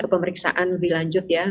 pemeriksaan lebih lanjut ya